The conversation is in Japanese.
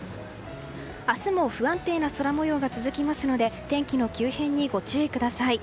明日も不安定な空模様が続きますので天気の急変にご注意ください。